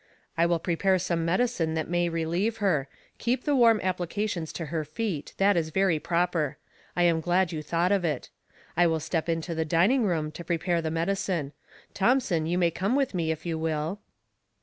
" I will' prepare some medicine that may re lieve her; keep the warm applications to her feet — that is very proper. I am glad you thought of it. I will step into the dining room to prepare the medicine. Thomson, you may eome v/ith me, if you will."